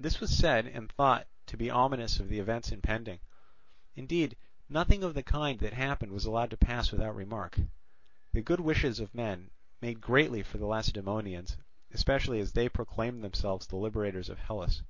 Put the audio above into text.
This was said and thought to be ominous of the events impending; indeed, nothing of the kind that happened was allowed to pass without remark. The good wishes of men made greatly for the Lacedaemonians, especially as they proclaimed themselves the liberators of Hellas.